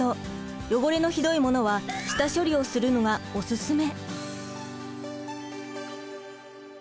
汚れのひどいものは下処理をするのがおすすめ！